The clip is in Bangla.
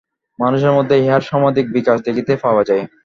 মানুষের মধ্যেই ইহার সমধিক বিকাশ দেখিতে পাওয়া যায়।